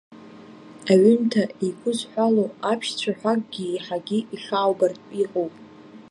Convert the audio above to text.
Аҩымҭа еиқәызҳәалоу аԥшьцәаҳәакгьы еиҳагьы ихьааугартә иҟоуп…